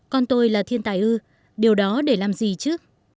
con tôi là thiên tài ư điều đó để làm gì chứ